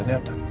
emang gak boleh